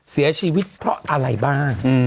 เสียชีวิตเพราะอะไรบ้าง